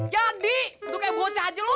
jadi lo kayak bocah aja lo